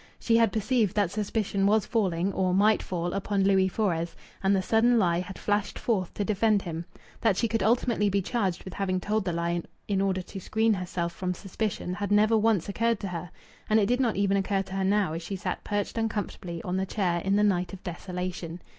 She had perceived that suspicion was falling, or might fall, upon Louis Fores, and the sudden lie had flashed forth to defend him. That she could ultimately be charged with having told the lie in order to screen herself from suspicion had never once occurred to her. And it did not even occur to her now as she sat perched uncomfortably on the chair in the night of desolation.